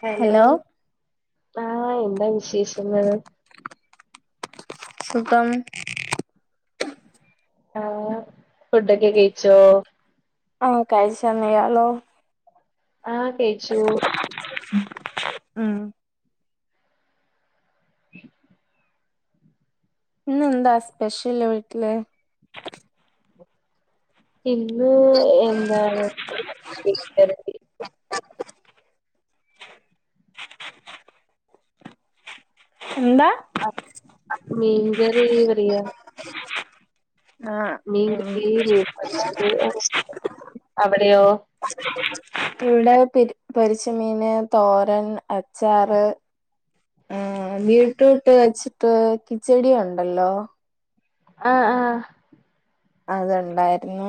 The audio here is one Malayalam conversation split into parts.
ഹലോ ആഹ് എന്താ വിശേഷങ്ങൾ സുഖം ആഹ ഫുഡൊക്കെ കഴിച്ചോ ആഹ കഴിച്ചന്നിയാലോ ആഹ കേയിച്ചു ആഹ ഉ ഇന്നെന്താ സ്പെഷ്യല് വീട്ടില് ഇന്ന് എന്താണ് [unintelligible] എന്താ ആ മീൻകറി പറയ ആഹ ഉ മീൻ പൊരിച്ചത് ആ, അവിടെയോ ഇവിടെരി പൊരിച്ച മീന് തോരൻ അച്ചാറ് ആഹ ബീറ്റ്റ്‌റൂട്ട് വെച്ചിട്ട് കിച്ചെടിയ ഉണ്ടല്ലോ ആഹ ആഹ അത്ണ്ടായിരുന്നു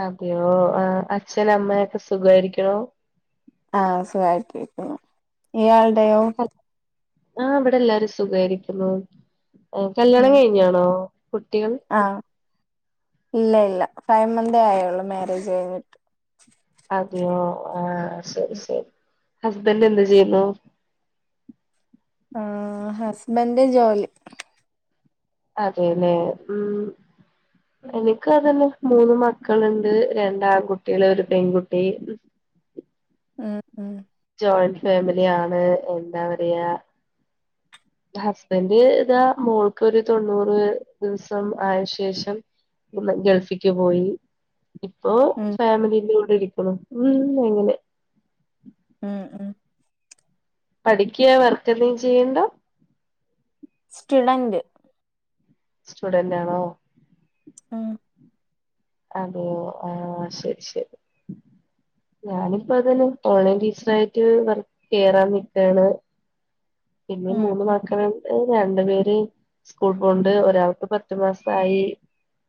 അതെയോ ആ അച്ഛന അമ്മൊക്കെ സുഖമായിരിക്കണോ ആഹ സുഖായിട്ടിരിക്കുന്നു ഇയാളുടെയോ ആഹ ഇവിടെ എല്ലാരും സുഖമായിരിക്കുന്നു കല്യാണം ഉം കഴിഞ്ഞാണോ കുട്ടികൾ ആഹ് ഇല്ല ഇല്ല ഫൈവ് മന്ത് ആയുള്ളൂ മാരേജ് കഴിഞ്ഞിട്ട് അതയോ ആഹ ശരി ശരി ഹസ്ബൻഡ് എന്ത് ചെയ്യുന്നോ ആഹ ഹസ്ബൻഡന്റെ ജോലി അതെല്ലെ ഉം എനിക്ക് അതന്നെ മൂന്ന് മക്കളുണ്ട് രണ്ട് ആൺകുട്ടികള് ഒരു പെൺകുട്ടി ഉം ഉം ജോയിന്റ് ഫാമിലി ആാണ് എന്താ പറയാ ഹസ്ബൻഡ് ഇതാ മോൾക്ക് ഒരു തൊണ്ണൂറ് ദിവസം ആയ ശേഷം ഗൾഫിക്ക് പോയി ഇപ്പൊ ഉം ഫാമിലിൻകൂടെ ഇരിക്കണു ഉ എങ്ങനെ ഉം ഉം പഠിക്കുക വർക്ക് എന്തും ചെയ്യണ്ടോ സ്റ്റുഡന്റ് സ്റ്റുഡന്റ് ആണോ ആഹ അതെ. ആഹ. ശരി. ശരി ഞാനിപ്പോ. അതന്നെ ഓൺലൈൻ ടീച്ചർ ആയിട്ട്. വർക്ക്. കേയറാൻ നിക്കണ് പിന്നേം. ഉം ഉം മൂന്ന്. മക്കളാണ് - രണ്ടു പേര് സ്കൂൾ. പോണ്ട്. ഒരാൾക്ക് പത്ത്. മാസായി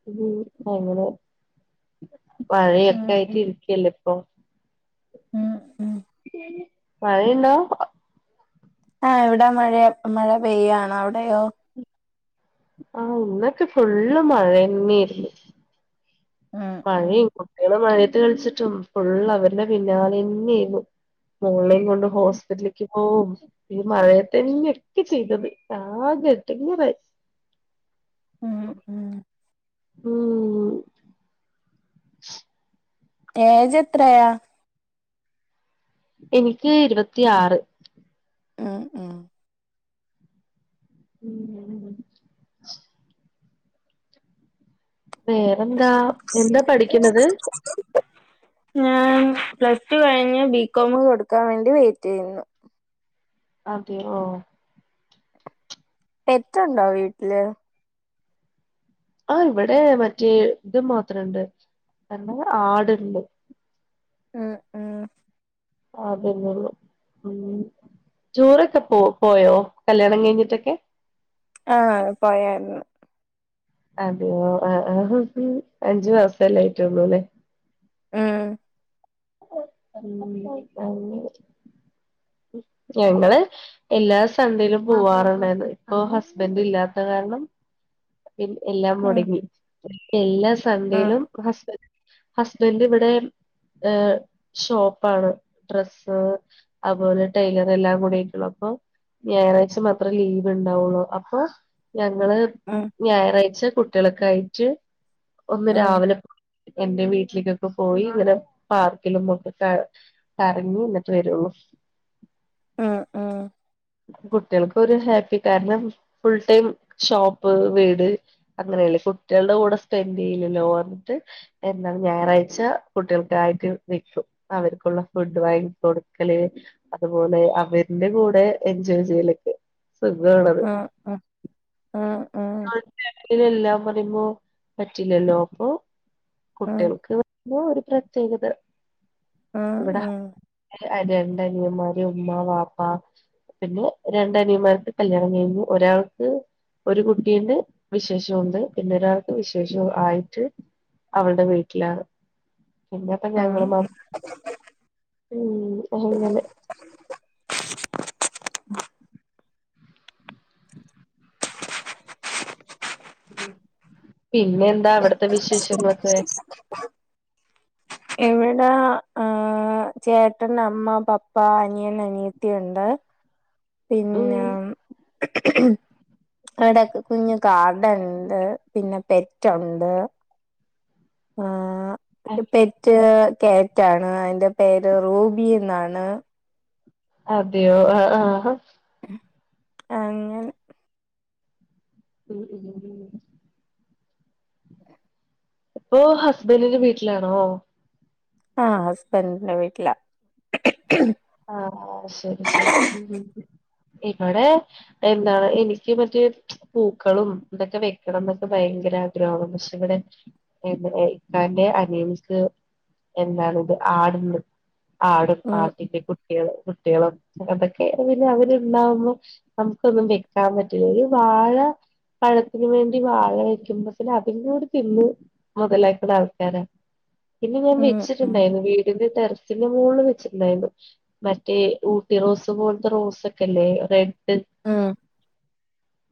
ഉം. അങ്ങനെ ഉം മഴയൊക്കെ. ആയിട്ട്. ഉം ഇരികെല്ലെപ്പൊ ഉം ഉം മഴയുണ്ടോ ആഹ. ഇവിടെ. മഴയൊ. മഴ. പെയ്യണ് അവിടെയോ ആഹ ഇന്നൊക്കെ ഫുള്ള് മഴ ന്നെരുന്ന് ഉം ഉം മഴിം. കുട്ടികളെ മഴയത്ത് കളിച്ചിട്ടും ഫുള്ള് അവരുടെ പിന്നാലെന്നേരുന്നു മോളെയും കൊണ്ട് ഹോസ്പിറ്റലിക്ക് പോവും. ഈ മഴയ തന്നെക്കെ. ചെയ്തത്. ആ ആകെ ഇടെങ്ങേറായി ഉം ഉം മ്. ഉം ഏജ്. എത്രയാ എനിക്ക്. ഇരുപത്തിയാറ്. ഉം ഉം ഉം. ഉം. ഹ് ഹ് വേറെന്താ. എന്താ പഠിക്ണത് ഞാൻ പ്ലസ് ടു കഴിഞ്ഞ് ബികോം കൊടുക്കാവേണ്ടി. വെയിറ്റെയ്യുന്നു.. അതെ, ഓ പെറ്റുണ്ടോ.. വീട്ടില് ആഹ. ഇവിടെ. മറ്റേ. ഇത് മാത്രണ്ട്. രണ്ടുന്ന. ആടുണ്ട് ഉം ഉം ആതന്നെള്ളൂ.. ഉം ടൂറൊക്കെ പോ. പോയോ. കല്യാണം കഴിഞ്ഞിട്ടൊക്കെ ആഹ പോയരുന്നു അതെയോ.. ആഹാ. അഞ്ചു മാസല്ലയിട്ടൊള്ളു. ല്ലേ ഉം [unintelligible] ഞങ്ങള് എല്ലാ സണ്ടേലും പോവാറണ്ടർന്നത്. ഇപ്പൊ ഹസ്ബൻഡ്. ഇല്ലാത്ത കാരണം. എല്ലാം ഉം മൊടങ്ങി. എല്ലാ സണ്ടേലും.. ഉം ഹസ്ബൻഡ് ഹസ്ബൻഡ്. ഇവിടേം ഏ, ഷോപ്പാണ് ഡ്രസ്സ് അഹ്‌പോലെ ടൈലർ എല്ലാം കൂടിയിള്ള. പ്പൊ ഞായറായ്ച. മാത്രേ ലീവ് ണ്ടാവൊള്ളൂ. അപ്പൊ ഞങ്ങള് ഉം ഞായറാഴ്ച കുട്ടിളോക്ക. ആയിട്ട് ഒന്ന് ഉം രാവിലെ.. എന്റെ വീട്ടിലേക്കൊക്കെ. പോയിങ്ങനെ പാർക്കിലൊന്ന് ഒക്കെ കറ കറങ്ങിന്നട്ട് വരുള്ളൂ... ഉം ഉം. കുട്ടിൾക്കൊരു. ഹാപ്പി. കാരണം ഫുൾ ടൈം ഷോപ്പ് വീട് അങ്ങനെയല്ലേ ഫുട്ടിളുടെ കൂടെ സ്പെൻഡ് യ്ല്ലല്ലോ. റഞ്ഞിട്ട്. എന്താണ് ഞായറാഴ്ച കുട്ടിൾക്ക്... വെക്കും. അവർക്കുള്ള ഫുഡ്. വാങ്ങി കൊടുക്കല്. അതുപോലെ അവരിന്റെ.. കൂടെ എൻജോയ് ചെയ്യലൊക്കെ സുഖണത് ഉം ഉം ഉം ഉം എല്ലാം പറയുമ്പോ പറ്റില്ലല്ലോ പ്പൊ ഉം കുട്ടിൾക്ക്. എന്തൊരു. പ്ര ചെയ്ത്... അ. ആ.... അ. രണ്ട് അനിയമ്മാര്. ഉമ്മ. വാപ്പ പിന്നെ രണ്ടനിയമാർക്ക്. കല്യാണം കഴിഞ്ഞ്. ഒരാൾക്ക് ഒരു കുട്ടീണ്ട്. വിശേഷോണ്ട് പിന്നെൊരാൾക്ക് വിശേശോ. ആയിട്ട്... അവൾടെ. വീട്ടിലാണ്.. പിന്നെപ്പ. ഞങ്ങൾ ഉം മാത്രം മ്. ങ്ങനെ പിന്നെ എന്താ അവ്ട്ത്തെ വിശേഷങ്ങളൊക്കെ ഇവ്ടെ ചേട്ടൻ അമ്മ പപ്പ അനിയൻ അനിയത്തിയോണ്ട് പിന്നെ ഉം ഇവ്ടെക്കെ കുഞ് ഗാർഡൻ ണ്ട് പിന്നെ പെറ്റൊണ്ട് ആഹ് പെറ്റ് ക്യാറ്റ് ആണ് അയിന്റെ പേര് റൂബി ന്ന് ആണ് അതെയോ ആ ആ ആങ്ങനെ ഉം ഉം ഉ ഇപ്പൊ ഹസ്ബൻഡിന്റെ വീട്ടിലാണോ ആഹ് ഹസ്ബൻഡിന്റെ വീട്ടിലാ ആഹ് ശരി ശരി ഉം ഇവടെ എന്താണ് എനിക്ക് മറ്റേ പൂക്കളും ഇതൊക്കെ വെക്കണം എന്നൊക്കെ ഭയ ഭയങ്കര ആഗ്രഹാ പഷേ ഇവ്ടെ ഇക്കാന്റെ അനിയന്ക്ക് എന്താണ് ഇവ്ടെ ആട്ണ്ട് ആടും ഉം ആട്ടി കുട്ട്യാള് കുട്ടികളും അതൊക്കെ പിന്നെ അവര്ണ്ടാവുമ്പോ നമുക്കൊന്നും വെക്കാൻ പറ്റില്ലല്ലോ ആടാ പഴത്തിന് വേണ്ടി വാഴ വയ്ക്കുമ്പോ പഷേ അത് തിന്നു മുതലായിട്ടുള്ള ആൾക്കാരാ പിന്നെ ഞാൻ ഉം ഉം വെച്ചിട്ട്ണ്ടാരുന്നു വീടിന്റെ ട്ടറസിന്റെ മോളില് വെച്ചിട്ട്ണ്ടാരുന്നു മറ്റേ ഊട്ടിറോസ് പോലത്തെ റോസ് ഒക്കെല്ലേ റെഡ് ഉം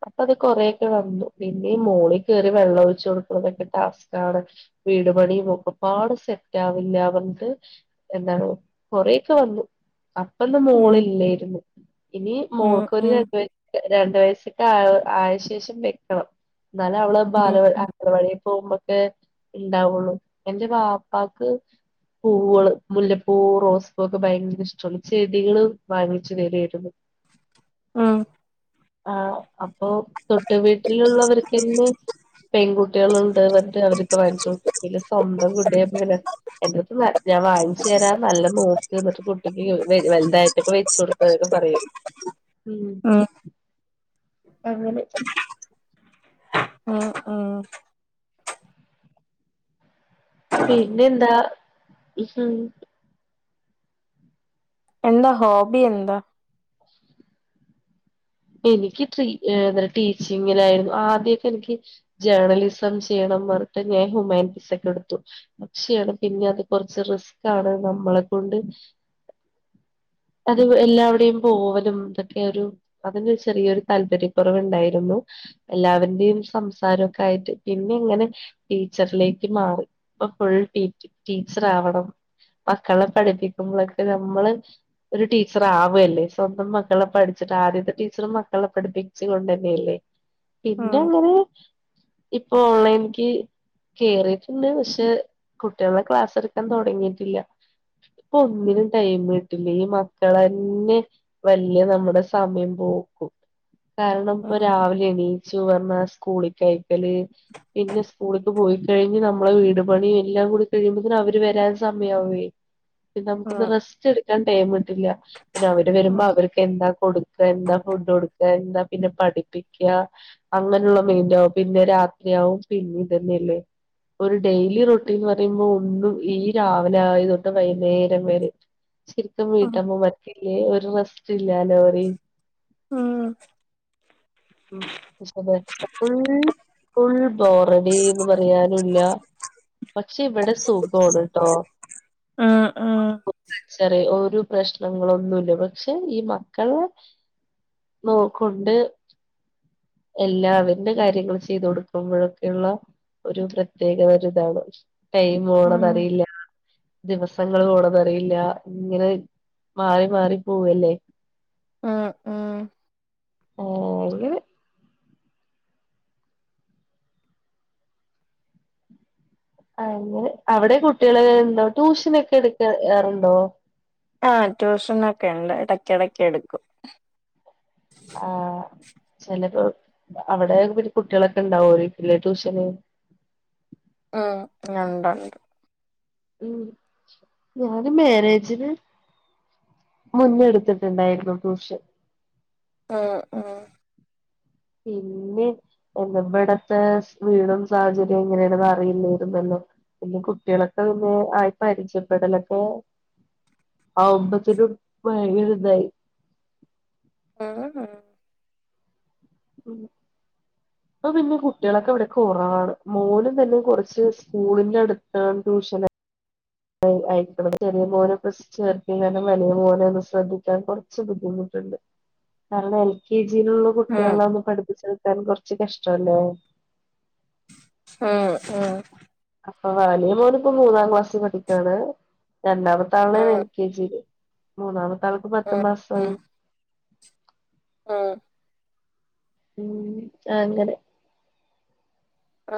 അപ്പൊ അത് കൊറെക്കെ വന്നു പിന്നെ മോളിൽ കേറി വെള്ളം ഒഴിച്ചു കൊടുക്കുന്നതൊക്കെ ടാസ്ക്കാണ് വീട് പണിയും ഒക്കെ പാട് സെറ്റ് ആവില്ല പറഞ്ട്ട് എന്താണ് കൊറെയൊക്കെ വന്നു ആഹ് ഇപ്പന്ന് മോള് ഉം ഇല്ലാര്ന്നു ഇനി ഉം മോൾക്ക് ഒര് ഉം രണ്ട് രണ്ട് വയസ്സൊക്കെ ആവ് ആയശേഷം വെക്കണം എന്നാല് അവള് ബാല ഉം അംഗനവാടി പോകുമ്പോ ട് ഇണ്ടാവൊള്ളു ന്റെ വാപ്പാക്ക് പൂവ്ള് മുല്ലപ്പൂ റോസ്പ്പൂ ഒക്കെ ഭയങ്കര ഇഷ് ചെടികള് വാങ്ങിച്ചു തരുവാരുന്നു ഉം ആഹ് അപ്പൊ തൊട്ട് വീട്ടിലൊള്ളവർക്ക്ന്നെ ഉം പെൺകുട്ടികള്ണ്ട് പറഞ്ഞിട്ട് അവർക്ക് വാങ്ങിച്ച് കൊടുക്കും പിന്നെ സ്വന്തം കുട്ടിയായപ്പം പിന്നെ എന്റടുത്ത് ഞാൻ വാങ്ങിച്ചു തരാ നല്ല നോ ട്ട് ന്ന്ട്ട് കുട്ടിക്ക് വ വൽ വൽതായിട്ടൊക്കെ വെച്ച് കൊടുക്കനോക്കെ പറയും ഉം അങ്ങനെ ഉം ഉം പിന്നെ എന്താ എന്താ ഹോബി എന്താ എനിക്ക് ട്രി എന്താ ടീച്ചിങ്ങിനാരുന്നു ആദ്യൊക്കെ എനിക്ക് ജേർണലിസം ചെയ്യണം ട്ട് മേരിറ്റ് ഞാൻ ഹുമാനിറ്റിസ് ഒക്കെ എടുത്തു പക്ഷാണ് പിന്നെ അത് കൊറച്ച് റിസ്ക്കാണ് നമ്മളെ കൊണ്ട് അത് എല്ലാവ്ടെയും പോവലും ഇതൊക്കെ ഒരു അതിനൊരു ചെറിയൊരു താല്പര്യക്കൊറവ്ണ്ടാരുന്നു എല്ലാരുടെയും സംസാരംഒക്കൊആയിട്ട് പിന്നെ ഇങ്ങനെ ടീച്ചറിലേക്ക് മാറിപ്പ ഫുൾ ടി ടീച്ചർ ആവണം മക്കളെ പഠിപ്പിക്കുമ്പളൊക്കെ നമ്മള് ഒരു ടീച്ചർ ആവല്ലേ സ്വന്തം മക്കളെ പഠിച്ചിട്ട് ആദ്യം ടീച്ചറും മക്കളെ പഠിപ്പിച്ച് കൊണ്ടന്നെയല്ലേ പിന്നെ ഉം അങ്ങനെ ഓൺലൈൻക്ക് കേറിട്ട്ണ്ട് പഷേ കുട്ടികളെ ക്ലാസ് എടുക്കാൻ തൊടങ്ങിട്ടില്ല ഇപ്പം ഒന്നിനും ടൈം കിട്ടില്ലേ ഈ മക്കള തന്നെ വല്യ നമ്മടെ സമയം പൊക്കും കാരണം ഇപ്പ ഉം രാവിലെ എണീച്ചു വന്നാൽ സ്കൂളി ക്കയ്ക്കല് പിന്നെ സ്കൂളിക്ക്‌ പോയി കഴിഞ്ഞ് നമ്മള് വീട് പണിയും എല്ലാം കൂടി കഴിയുമ്പോ അവര് വ രാൻ. സമയവൂലെ പിന്നെ നമുക്കൊന്ന് ഉം റെസ്റ്റ് എടുക്കാൻ ടൈം കിട്ടില്ല പിന്നെ അവര് ഉം വരുമ്പോ ഉം അവർക്ക് എന്താ കൊടു എന്താ ഫുഡ് കൊടുക്ക എന്താപിന്നെ പഠിപ്പിക്ക അങ്ങനെയുള്ള മെയിന്റാവും പിന്നെ രാത്രി പിന്നെ ഇതന്നെയല്ലേ? ഒരു ഡെയിലി റൊട്ടീൻന്ന് പറയുമ്പോ ഒന്നും ഈ രാവിലെ ആയതൊട്ട് വൈകുന്നേരം വരെ ശരിക്കും ഉം വീട്ടമ്മ മാർക്ക്ല്ലേ ഒരു റെസ്റ്റ് ഇല്ല ലോ ഉം ഉ [unintelligible] ബോറഡിന്ന് പറയാനുല്ല. പക്ഷെ ഇവിടെ സുഖോണട്ടോ ഉം ഉം ഓ [unintelligible] ഒരു പ്രശ്നങ്ങളൊന്നുല്ല പക്ഷെ ഈ മക്കളെ നോക്കുണ്ട്. എല്ലാവരുടെ കാര്യങ്ങൾ ചെയ്തു കൊടുക്കുമ്പോഴെക്കുള്ള ഒരു പ്രത്യേകത ഒ ഇതാണ് ടൈം ഉം പോണതറിയില്ല. ദിവസങ്ങൾ പോണതറിയില്ല ഇങ്ങനെ മാറി മാറി പോവല്ലേ. ആഹ ആഹ ആഓ അങ്ങനെ അങ്ങനെ അവിടെ കുട്ടികള് എന്തോ ട്യൂഷനൊക്കെ എടുക്കറുണ്ടോ? ആഹ ട്യൂഷൻ ഒക്കെ ഉണ്ട് ഇടക്കെടക്കെടുക്കും. ആ ചിലപ്പോ അവിടെ കുട്ടികളൊക്കെ ഇണ്ടാവോകുലെ ട്യൂഷന്. അ ഉണ്ട് ഉണ്ട് ഉം ഞാന് മാരേജിന് മുന്നെടുത്തിട്ടുണ്ടായിരുന്നു ടൂഷൻ. ആ ആ പിന്നെ ഇവിടത്തെ വീടും സാഹചര്യം എങ്ങനെയാണെന്നറിയില്ലരുന്നല്ലോ? പിന്നെ കുട്ടികളൊക്കെ പിന്നെ ആയി പരിചയപ്പെടലൊക്കെ. ആവുമ്പത്തിനും ഭയങ്കര ഇതായി. ആഹ ആഹ ഉം അപ്പ പിന്നെ കുട്ടികളൊക്കെ ഇവിടെ കുറവാണ് മോനും തന്നെ കൊറച്ച് സ്കൂളിന്റെ അടുത്ത് ടൂഷന്. അയക്കണം ചെറിയ മോനെ ഇപ്പൊ ചേർത്തിയ കാരണം വലിയ മോനെ ഒന്ന് ശ്രദ്ധിക്കാൻ കുറച്ച് ബുദ്ധിമുട്ട്. കാരണം എൽ കെ ജി ചിയിലുള്ള ഉം കുട്ടികളെ ഒന്ന് പഠിപ്പിച്ചെടുക്കാൻ കൊറച്ച് കഷ്ടല്ലേ? ആ ആ ഇപ്പൊ വലിയ മോളിപ്പോ മൂന്നാം ക്ലാസ്സിൽ പഠിക്കാണ് രണ്ടാമത്തെ ആളേണ് ഉം എൽ കെ ജിയില്. മൂന്നാമത്താൾക്ക് പത്ത്മാസായി. ആ ഉം ആങ്ങനെ ആ